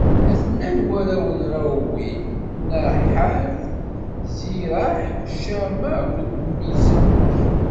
A-ten-an warraw n Raɛuwil: Naḥat, Ziraḥ, Cama akked Miza.